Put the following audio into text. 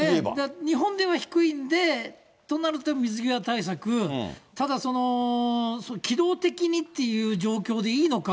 日本では低いんで、となると水際対策、ただ機動的にっていう状況でいいのか。